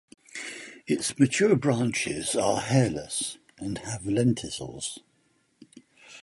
Its mature branches are hairless and have lenticels.